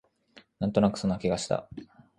なんとなくそんな気がした